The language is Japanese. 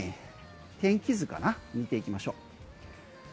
天気図かな、見ていきましょう。